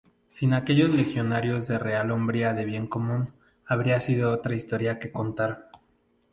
Sin aquellos legionarios de real hombría de bien común, habría otra historia que contar.